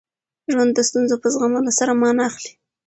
ژوند د ستونزو په زغمولو سره مانا اخلي.